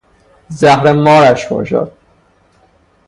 زهر مارش باشد!